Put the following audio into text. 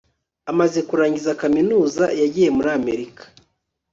amaze kurangiza kaminuza, yagiye muri amerika